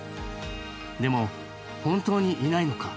でも本当にいないのか？